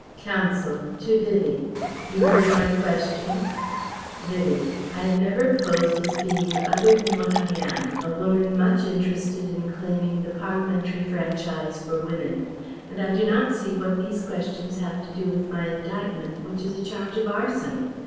Counsel (to Vivie): "You heard my questions?" Vivie: "I have never posed as being other than what I am, a woman much interested in claiming the Parliamentary Franchise for Women; and I do not see what these questions have to do with my indictment, which is a charge of arson.